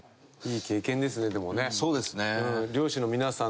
そうですね。